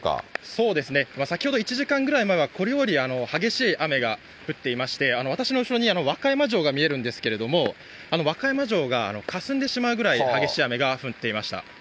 そうですね、先ほど１時間ぐらい前は、これより激しい雨が降っていまして、私の後ろに和歌山城が見えるんですけれども、和歌山城がかすんでしまうぐらい激しい雨が降っていました。